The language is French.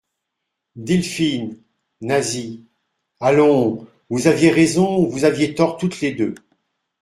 Delphine, Nasie, allons, vous aviez raison, vous aviez tort toutes les deux.